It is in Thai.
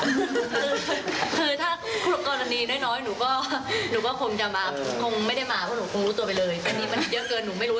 คือถ้าคู่กรณีน้อยหนูก็คงจะมาคงไม่ได้มาเพราะหนูคงรู้ตัวไปเลย